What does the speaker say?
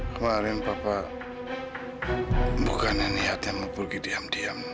kemarin papa bukan yang lihatnya mau pergi diam diam